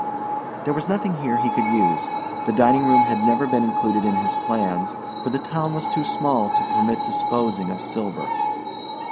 There was nothing here he could use the dining room had never been included in his plans for the town was too small to permit disposing of silver.